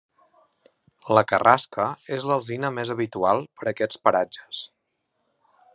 La carrasca és l'alzina més habitual per aquests paratges.